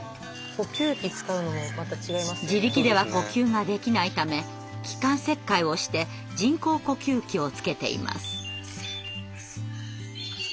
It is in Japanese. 自力では呼吸ができないため気管切開をして人工呼吸器をつけています。